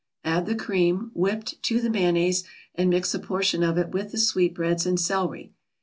Add the cream, whipped, to the mayonnaise, and mix a portion of it with the sweetbreads and celery.